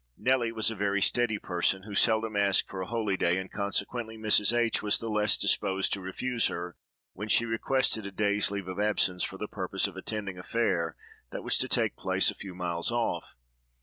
Nelly was a very steady person, who seldom asked for a holy day, and consequently Mrs. H—— was the less disposed to refuse her when she requested a day's leave of absence for the purpose of attending a fair that was to take place a few miles off.